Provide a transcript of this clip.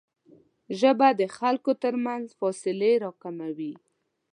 ژبه د خلکو ترمنځ فاصلې راکموي